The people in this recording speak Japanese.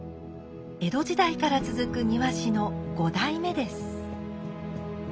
江戸時代から続く庭師の五代目です。